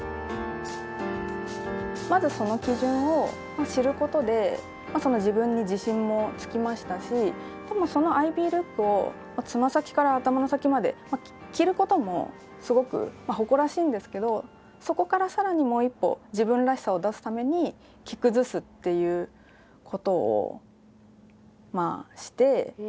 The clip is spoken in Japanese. まずその基準を知ることで自分に自信もつきましたしでもそのアイビールックを爪先から頭の先まで着ることもすごく誇らしいんですけどそこから更にもう一歩自分らしさを出すために着崩すっていうことをして